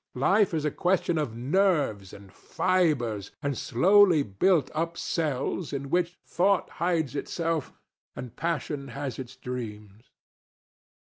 Life is a question of nerves, and fibres, and slowly built up cells in which thought hides itself and passion has its dreams.